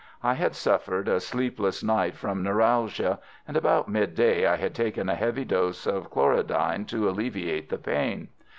I had suffered a sleepless night from neuralgia, and about mid day I had taken a heavy dose of chlorodyne to alleviate the pain.